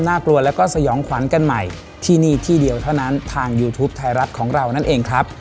กลัวแล้วก็สยองขวัญกันใหม่ที่นี่ที่เดียวเท่านั้นทางยูทูปไทยรัฐของเรานั่นเองครับ